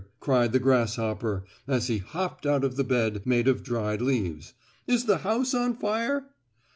cried the grasshopper, as he hopped out of the bed made of dried leaves. "Is the house on fire?"